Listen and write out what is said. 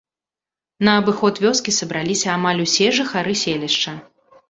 На абыход вёскі сабраліся амаль усе жыхары селішча.